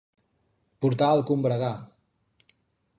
Portar el combregar.